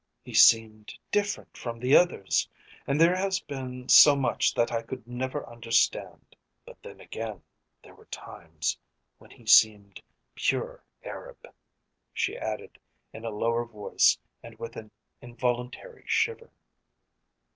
"He seemed different from the others, and there has been so much that I could never understand. But then again there were times when he seemed pure Arab," she added in a lower voice and with an involuntary shiver.